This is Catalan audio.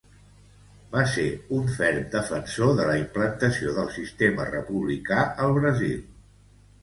Va ser un ferm defensor de la implantació del sistema republicà al Brasil.